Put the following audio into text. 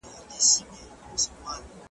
که یووالی وي، نو جګړه نه وي.